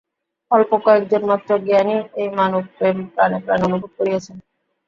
অল্প কয়েকজন মাত্র জ্ঞানীই এই মানবপ্রেম প্রাণে প্রাণে অনুভব করিয়াছেন।